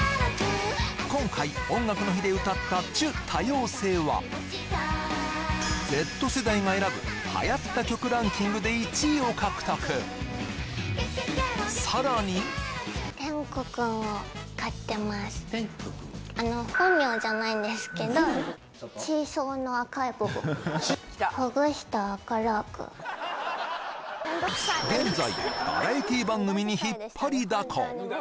今回「音楽の日」で歌った「ちゅ、多様性。」はＺ世代が選ぶはやった曲ランキングで１位を獲得さらにチーソーの赤い部分現在バラエティ番組に引っ張りだこ